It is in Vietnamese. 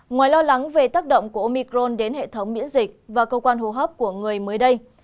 ngoài lo lắng về tác động của omicron đến hệ thống miễn dịch và cơ quan hô hấp của người mới đây